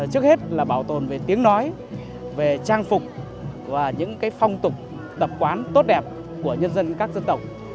trước hết là bảo tồn về tiếng nói về trang phục và những phong tục tập quán tốt đẹp của nhân dân các dân tộc